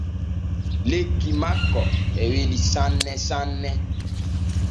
Lekki makko e weli sanne sanne.